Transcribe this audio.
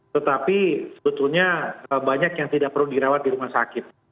tetapi sebetulnya banyak yang tidak perlu dirawat di rumah sakit